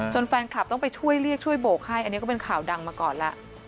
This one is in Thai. แฟนคลับต้องไปช่วยเรียกช่วยโบกให้อันนี้ก็เป็นข่าวดังมาก่อนแล้ว